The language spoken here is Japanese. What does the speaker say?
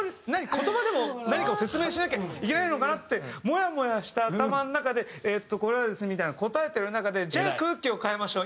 言葉でも何かを説明しなきゃいけないのかなってもやもやした頭の中で「えっとこれはですね」みたいに答えてる中で「じゃあ空気を変えましょう。